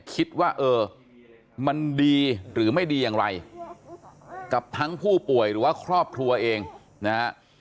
คิดว่าเออมันดีหรือไม่ดีอย่างไรกับทั้งผู้ป่วยหรือว่าครอบครัวเองนะฮะ